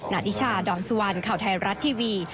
นาธิชาดอนสุวรรณข่าวไทยรัฐทีวี